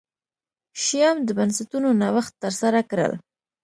شیام د بنسټونو نوښت ترسره کړل.